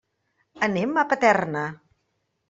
Anem a Paterna.